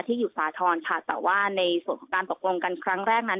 อยู่สาธรณ์ค่ะแต่ว่าในส่วนของการตกลงกันครั้งแรกนั้น